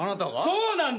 そうなんだよ。